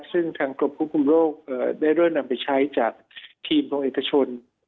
ซึ่งทางกรมควบคุมโรคได้เริ่มนำไปใช้จากทีมของเอกชน